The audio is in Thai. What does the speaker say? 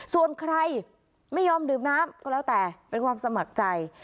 ส่วนใครไม่ยอมดื่มน้ำก็แล้วแต่เป็นความสมัครใจ